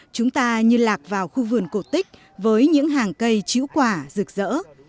chúng ta như lạc vào khu vườn cổ tích với những hàng cây chữ quả rực rỡ